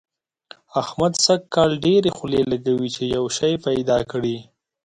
احمد سږ کال ډېرې خولې لګوي چي يو شی پيدا کړي.